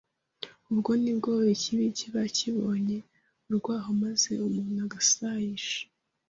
Ubwo ni bwo ikibi kiba kibonye urwaho maze umuntu agasayisha